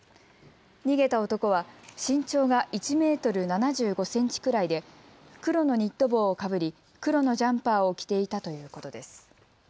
逃げた男は身長が１メートル７５センチくらいで黒のニット帽をかぶり黒のジャンパーを着ていたということです。